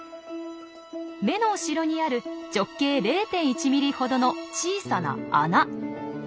目の後ろにある直径０．１ｍｍほどの小さな穴。